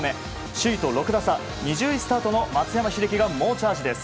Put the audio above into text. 首位と６打差、２０位スタートの松山英樹選が猛チャージです。